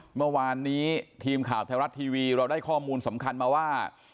เมื่อวานนี้ทีมข่าวไทยรัฐทีวีเราได้ข้อมูลสำคัญมาว่า